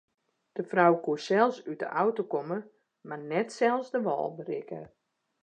De frou koe sels út de auto komme mar net sels de wâl berikke.